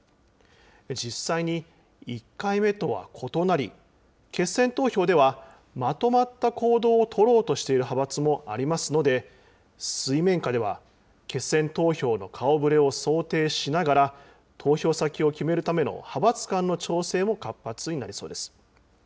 実際に１回目とは異なり、決選投票ではまとまった行動を取ろうとしている派閥もありますので、水面下では決選投票の顔ぶれを想定しながら、投票先を決めるための派閥間の調整も活発になりそうです。